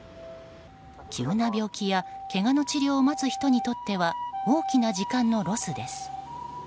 急な病気やけがの治療を待つ人にとっては大きな時間のロスです。